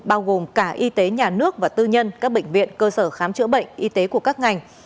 bao gồm cả y tế nhà nước và tư nhân các bệnh viện cơ sở khám chữa bệnh y tế của các ngành